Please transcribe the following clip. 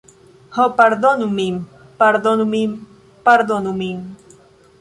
Ho, pardonu min. Pardonu min. Pardonu min.